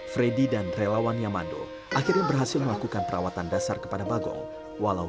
freddy dan relawan yamando akhirnya berhasil melakukan perawatan dasar kepada bagong walau